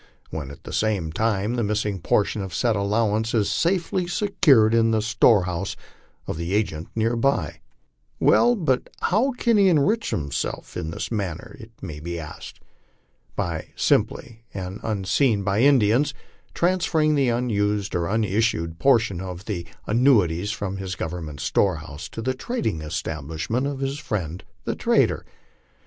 when at the same time the missing portion of said allowance is safely secured in the storehouse of the agent near by. Well, but how can he enrich himself in this manner? it may be asked. By simply, and unseen by the Indians, transferring the unissued portion of the annuities from his government storehouse to the trading establishment of his friend the trader.